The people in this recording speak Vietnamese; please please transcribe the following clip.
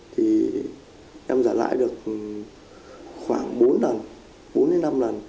thì em trả lãi được khoảng bốn lần bốn đến năm lần